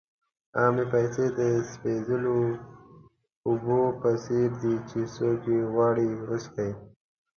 عامې پیسې د سپېڅلو اوبو په څېر دي چې څوک یې غواړي وڅښي.